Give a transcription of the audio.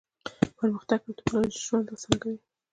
پرمختګ او ټیکنالوژي ژوند اسانه کوي.